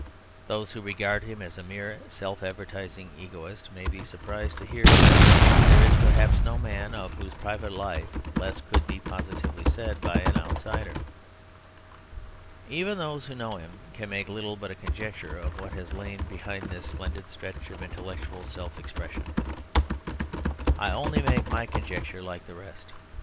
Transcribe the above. Those who regard him as a mere self advertising egotist may be surprised to hear that there is perhaps no man of whose private life less could be positively said by an outsider. Even those who know him can make little but a conjecture of what has lain behind this splendid stretch of intellectual self expression; I only make my conjecture like the rest.